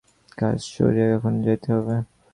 কাজ সারিয়া এখনি যাইতে হইবে!